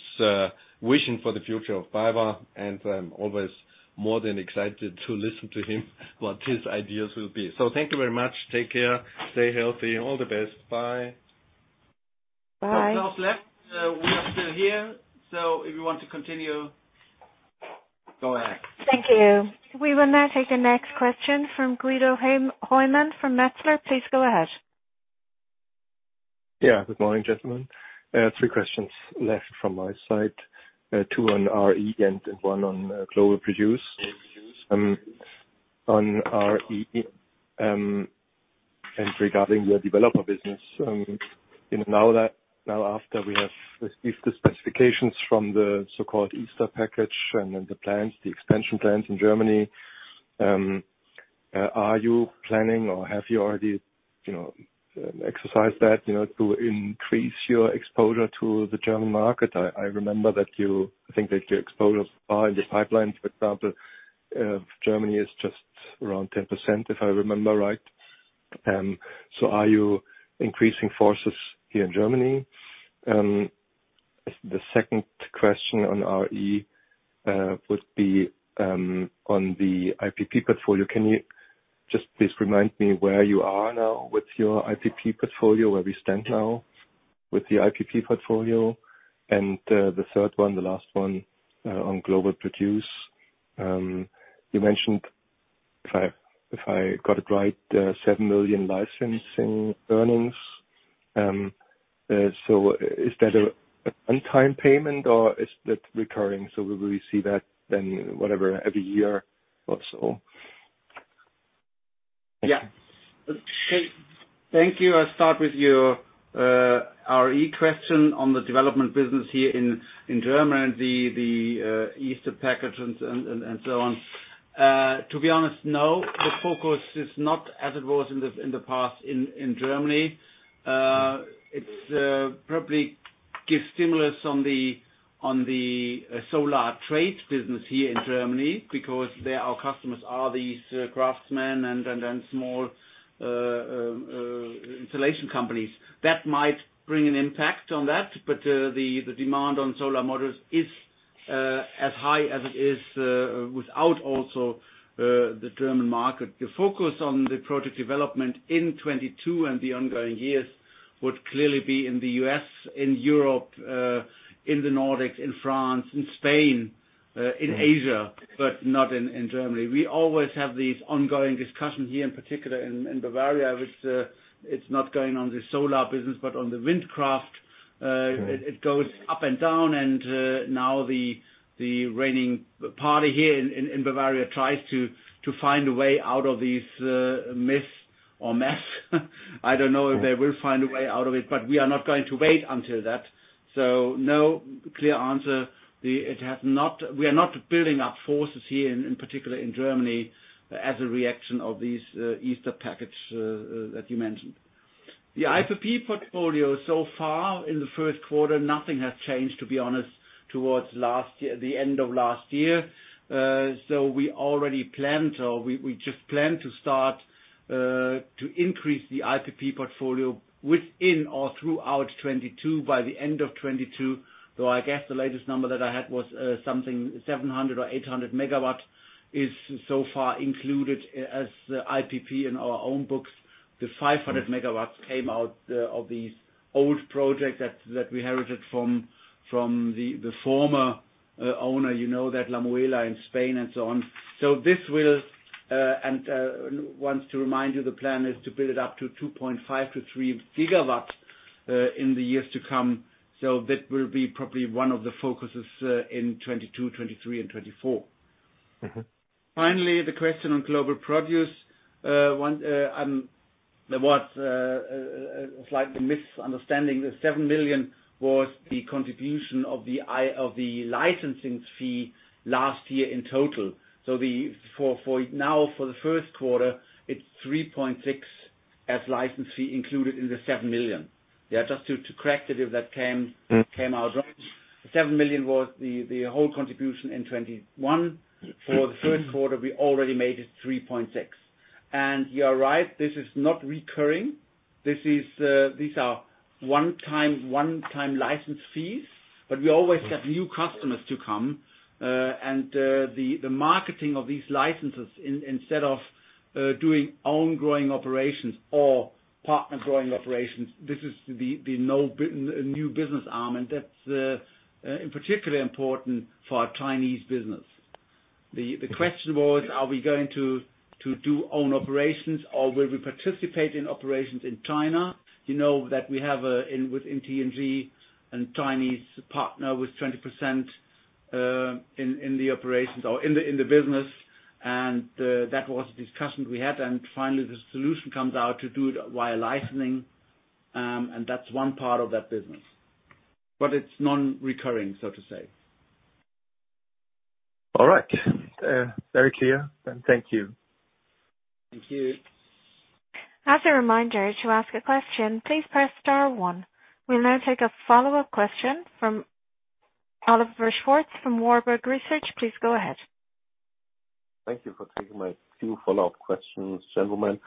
vision for the future of BayWa. I'm always more than excited to listen to him, what his ideas will be. Thank you very much. Take care. Stay healthy. All the best. Bye. Bye. Lutz left. We are still here, so if you want to continue, go ahead. Thank you. We will now take the next question from Guido Hoymann from Metzler. Please go ahead. Yeah, good morning, gentlemen. Three questions left from my side, two on RE and one on global produce. On RE, and regarding your developer business, you know, now that, now after we have received the specifications from the so-called Easter Package and then the plans, the expansion plans in Germany, are you planning, or have you already, you know, exercised that, you know, to increase your exposure to the German market? I think that your exposure in the pipelines, for example, Germany is just around 10%, if I remember right. So are you increasing focus here in Germany? The second question on RE would be on the IPP portfolio. Can you just please remind me where you are now with your IPP portfolio, where we stand now with the IPP portfolio? The third one, the last one, on global produce. You mentioned, if I got it right, 7 million licensing earnings. Is that a one-time payment or is that recurring? Will we see that then, whatever, every year or so? Yeah. Hey, thank you. I'll start with your RE question on the development business here in Germany and the Easter Package and so on. To be honest, no. The focus is not as it was in the past in Germany. It probably gives stimulus on the solar trade business here in Germany because the customers are these craftsmen and small installation companies. That might bring an impact on that, but the demand on solar modules is as high as it is without also the German market. The focus on the project development in 2022 and the ongoing years would clearly be in the U.S., in Europe, in the Nordics, in France, in Spain, in Asia, but not in Germany. We always have these ongoing discussions here, in particular in Bavaria, which it's not going on the solar business, but on the Windkraft. It goes up and down, and now the reigning party here in Bavaria tries to find a way out of this maze or mess. I don't know if they will find a way out of it, but we are not going to wait until that. No clear answer. We are not building up forces here, in particular in Germany, as a reaction of this Easter Package that you mentioned. The IPP portfolio so far in the first quarter, nothing has changed, to be honest, towards last year, the end of last year. We already planned or we just plan to start to increase the IPP portfolio within or throughout 2022, by the end of 2022, though I guess the latest number that I had was something, 700 MW-800 MW so far included as IPP in our own books. The 500 MW came out of these old projects that we inherited from the former owner. You know that La Muela in Spain and so on. This will and want to remind you, the plan is to build it up to 2.5 GW-3 GW in the years to come. That will be probably one of the focuses in 2022, 2023, and 2024. Mm-hmm. Finally, the question on global produce. There was a slight misunderstanding. The 7 million was the contribution of the licensing fee last year in total. So for now, for the first quarter, it's 3.6 million as license fee included in the 7 million. Yeah. Just to correct it, if that came out wrong. 7 million was the whole contribution in 2021. For the first quarter, we already made it 3.6 million. You are right, this is not recurring. This is, these are one-time license fees, but we always have new customers to come, and the marketing of these licenses instead of doing own growing operations or partner growing operations, this is the new business arm, and that's particularly important for our Chinese business. The question was, are we going to do own operations or will we participate in operations in China? You know that we have a, in, with T&G, a Chinese partner with 20% in the operations or in the business. That was a discussion we had, and finally the solution comes out to do it via licensing, and that's one part of that business. It's non-recurring, so to say. All right. Very clear, and thank you. Thank you. As a reminder, to ask a question, please press star one. We'll now take a follow-up question from Oliver Schwarz from Warburg Research. Please go ahead. Thank you for taking my few follow-up questions, gentlemen.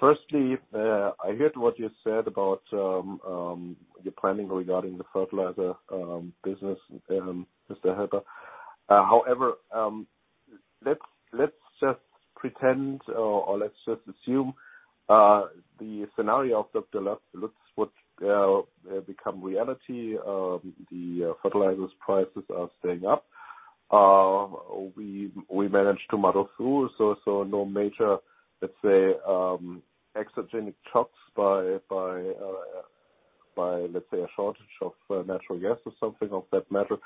Firstly, I heard what you said about your planning regarding the fertilizer business, Mr. Helber. However, let's just pretend or let's just assume the scenario of Dr. Lutz would become reality. The fertilizer prices are staying up. We managed to muddle through, so no major, let's say, exogenous shocks by, let's say, a shortage of natural gas or something of that matter.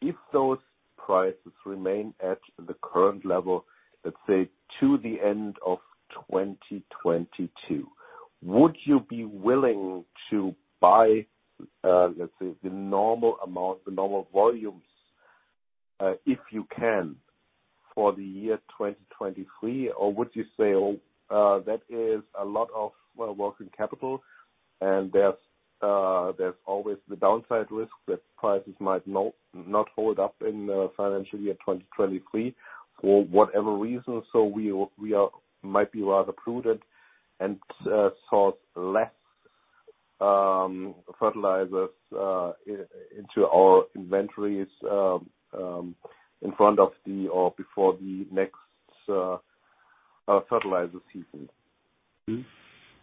If those prices remain at the current level, let's say, to the end of 2022, would you be willing to buy, let's say, the normal amount, the normal volumes, if you can, for the year 2023? Would you say, "Oh, that is a lot of working capital," and there's always the downside risk that prices might not hold up in financial year 2023 for whatever reason. We might be rather prudent and source less fertilizers into our inventories in front of the, or before the next fertilizer season.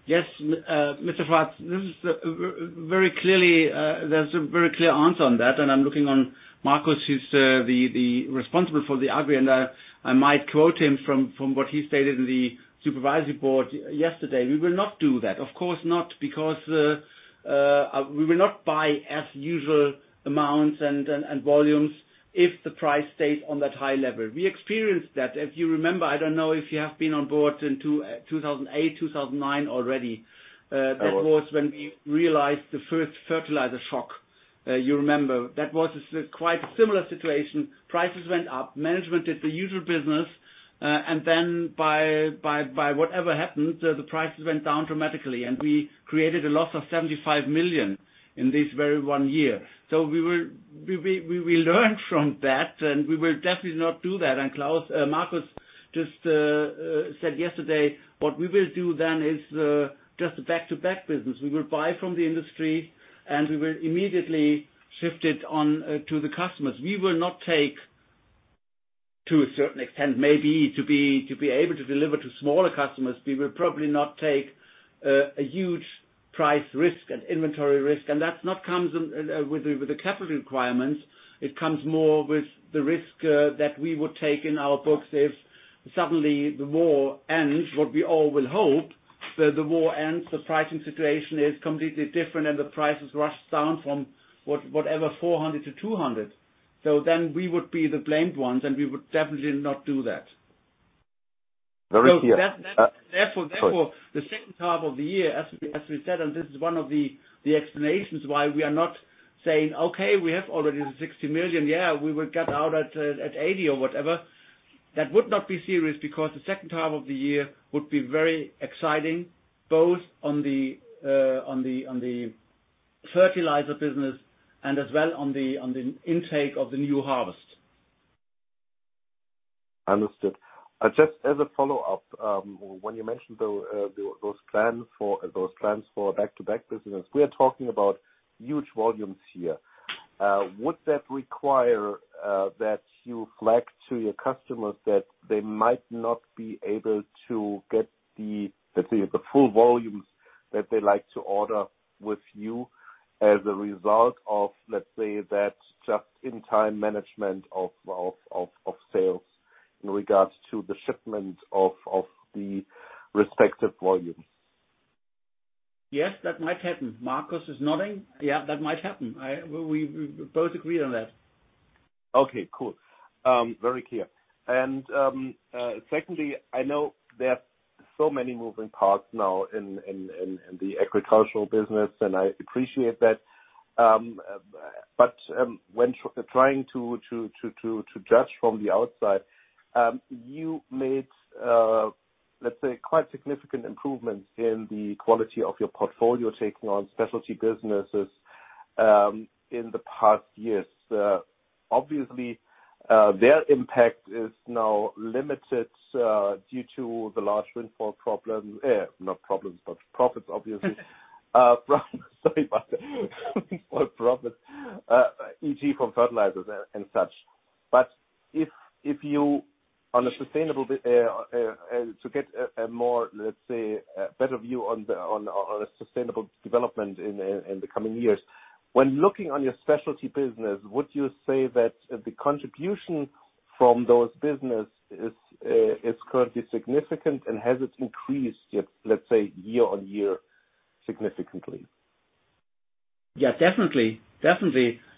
Yes, Mr. Schwarz. This is very clearly, there's a very clear answer on that, and I'm looking on Markus, who's the responsible for the agri, and I might quote him from what he stated in the supervisory board yesterday. We will not do that, of course not, because we will not buy as usual amounts and volumes if the price stays on that high level. We experienced that. If you remember, I don't know if you have been on board in 2008, 2009 already. I was. That was when we realized the first fertilizer shock. You remember, that was quite a similar situation. Prices went up, management did the usual business, and then whatever happened, the prices went down dramatically and we created a loss of 75 million in this very one year. We learned from that, and we will definitely not do that. Klaus, Markus just said yesterday, what we will do then is just back-to-back business. We will buy from the industry, and we will immediately shift it on to the customers. We will not take, to a certain extent, maybe to be able to deliver to smaller customers, we will probably not take a huge price risk and inventory risk. That comes with the capital requirements. It comes more with the risk that we would take in our books if suddenly the war ends, what we all will hope, that the war ends, the pricing situation is completely different and the prices rush down from whatever 400-200. We would be the blamed ones, and we would definitely not do that. Very clear. So that, therefore- Sorry. Therefore, the second half of the year, as we said, and this is one of the explanations why we are not saying, "Okay, we have already the 60 million. Yeah, we will get out at 80 or whatever." That would not be serious because the second half of the year would be very exciting, both on the fertilizer business and as well on the intake of the new harvest. Understood. Just as a follow-up, when you mentioned those plans for back-to-back business, we are talking about huge volumes here. Would that require that you flag to your customers that they might not be able to get the, let's say, the full volumes that they like to order with you as a result of, let's say, that just-in-time management of sales in regards to the shipment of the respective volumes? Yes, that might happen. Markus is nodding. Yeah, that might happen. We both agree on that. Okay, cool. Very clear. Secondly, I know there are so many moving parts now in the agricultural business, and I appreciate that. When trying to judge from the outside, you made, let's say, quite significant improvements in the quality of your portfolio, taking on specialty businesses. In the past years, obviously, their impact is now limited due to the large windfall problem. Not problems, but profits, obviously. Problem. Sorry about that. Windfall profit, AG from fertilizers and such. To get a more, let's say, a better view on the sustainable development in the coming years, when looking on your specialty business, would you say that the contribution from those business is currently significant? Has it increased, let's say, year on year significantly? Yeah, definitely.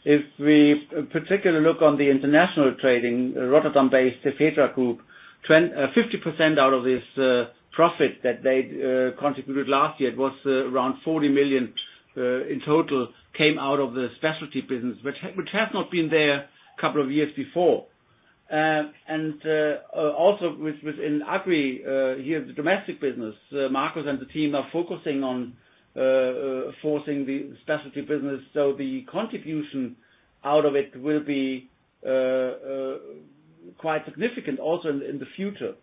If we particularly look on the international trading, Rotterdam-based Cefetra Group, 50% out of this profit that they contributed last year, it was around 40 million in total, came out of the specialty business, which has not been there a couple of years before. Also within Agri, here, the domestic business, Marcus and the team are focusing on fostering the specialty business, so the contribution out of it will be quite significant also in the future.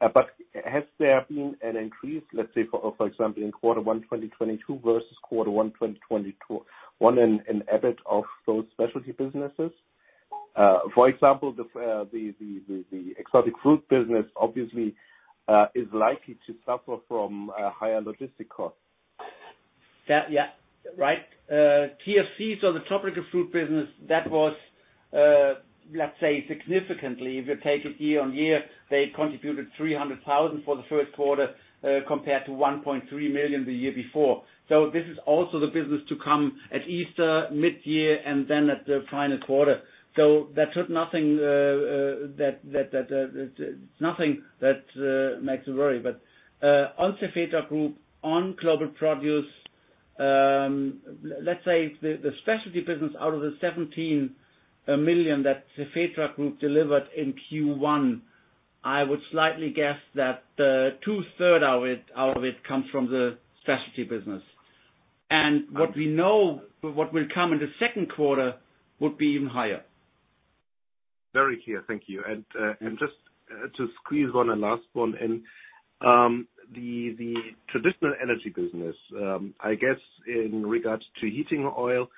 Has there been an increase, let's say, for example, in quarter one 2022 versus quarter one 2021 in EBIT of those specialty businesses? For example, the exotic fruit business obviously is likely to suffer from higher logistics costs. Yeah, yeah. Right. TFC or the tropical fruit business, that was, let's say significantly, if you take it year-on-year, they contributed 300,000 for the first quarter, compared to 1.3 million the year before. This is also the business to come at Easter, mid-year, and then at the final quarter. That should nothing that makes you worry. But on Cefetra Group, on global produce, let's say the specialty business out of the 17 million that Cefetra Group delivered in Q1, I would slightly guess that 2/3 of it comes from the specialty business. What we know will come in the second quarter would be even higher. Very clear. Thank you. Just to squeeze one last one. The traditional energy business, I guess in regards to heating oil,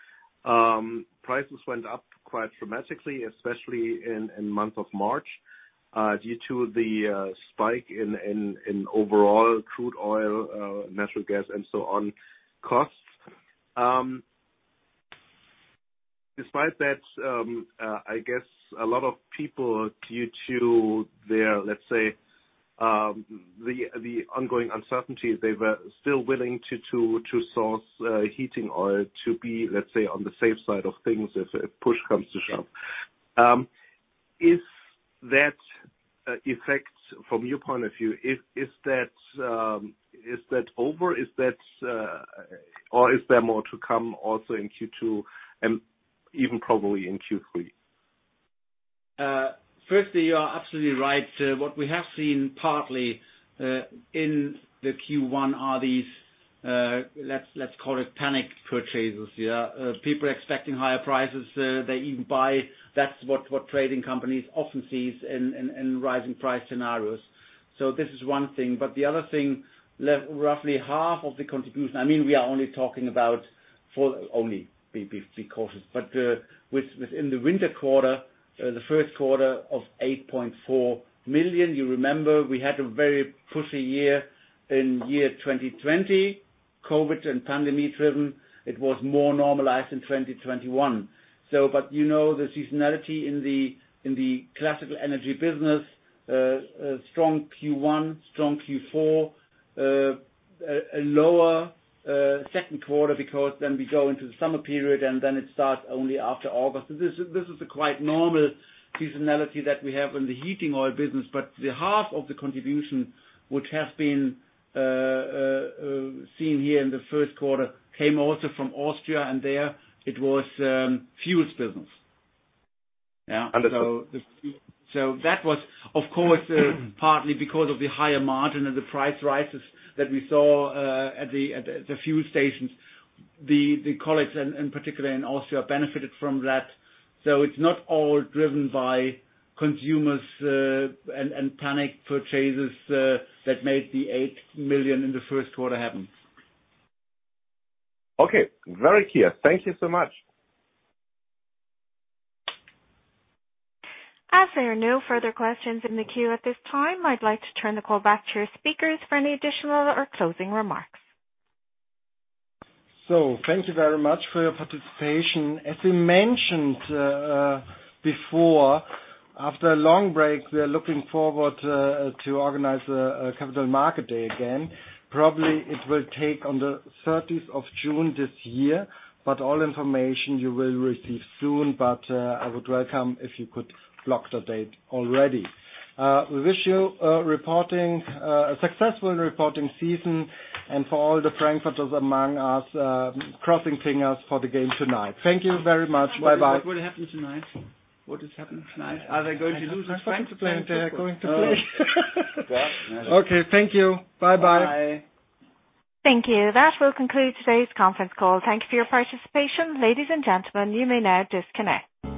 prices went up quite dramatically, especially in month of March, due to the spike in overall crude oil, natural gas and so on costs. Despite that, I guess a lot of people, due to their, let's say, the ongoing uncertainty, they were still willing to source heating oil to be, let's say, on the safe side of things if push comes to shove. Is that effect from your point of view? Is that over? Is there more to come also in Q2 and even probably in Q3? Firstly, you are absolutely right. What we have seen partly in the Q1 are these, let's call it panic purchases. People expecting higher prices, they even buy. That's what trading companies often sees in rising price scenarios. This is one thing. The other thing, roughly half of the contribution, I mean, we are only talking about EUR 40 million, be cautious, but within the winter quarter, the first quarter of 8.4 million, you remember we had a very pricey year in 2020, COVID and pandemic-driven. It was more normalized in 2021. you know, the seasonality in the classical energy business, a strong Q1, strong Q4, a lower second quarter because then we go into the summer period, and then it starts only after August. This is a quite normal seasonality that we have in the heating oil business. the half of the contribution which has been seen here in the first quarter came also from Austria, and there it was, fuels business. Yeah. Understood. That was, of course, partly because of the higher margin and the price rises that we saw at the fuel stations. The colleagues in particular in Austria benefited from that. It's not all driven by consumers and panic purchases that made the 8 million in the first quarter happen. Okay. Very clear. Thank you so much. As there are no further questions in the queue at this time, I'd like to turn the call back to your speakers for any additional or closing remarks. Thank you very much for your participation. As we mentioned before, after a long break, we are looking forward to organize a capital market day again. Probably it will take on the June 30th this year, but all information you will receive soon. I would welcome if you could block the date already. We wish you a successful reporting season and for all the Frankfurters among us, crossing fingers for the game tonight. Thank you very much. Bye-bye. What happened tonight? What has happened tonight? Are they going to lose to Frankfurt? They're going to play. Okay. Thank you. Bye-bye. Bye. Thank you. That will conclude today's conference call. Thank you for your participation. Ladies and gentlemen, you may now disconnect.